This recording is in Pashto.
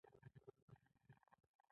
د چهار برجک کلاګانې لري